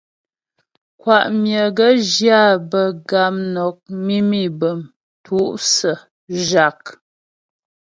Kwá myə é gaə̌ zhyə áa bə̌ gamnɔk, mimî bəm, tûsə̀ə, zhâk.